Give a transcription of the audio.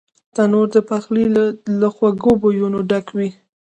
تنور د پخلي له خوږو بویونو ډک وي